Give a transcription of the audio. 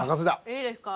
いいですか。